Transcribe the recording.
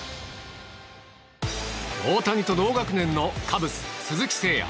大谷と同学年のカブス、鈴木誠也。